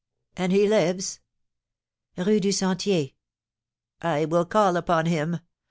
"And he lives " "Rue du Sentier." "I will call upon him.